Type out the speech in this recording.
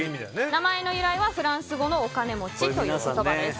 名前の由来はフランス語のお金持ちという意味です。